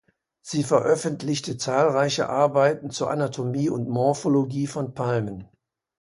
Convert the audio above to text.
Sie veröffentlichte zahlreiche Arbeiten zur Anatomie und Morphologie von Palmen.